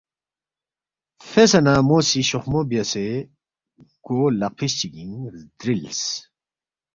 فیسے نہ مو سی شوخمو بیاسے گو لقفِس چگِنگ زدرِلس